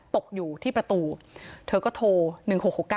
ตกอยู่ที่ประตูเธอก็โทร๑๖๖๙